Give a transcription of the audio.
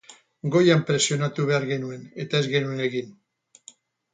Goian presionatu behar genuen eta ez genuen egin.